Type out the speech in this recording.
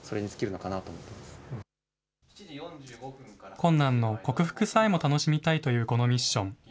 困難の克服さえも楽しみたいというこのミッション。